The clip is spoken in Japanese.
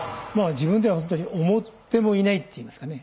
自分ではほんとに思ってもいないっていいますかね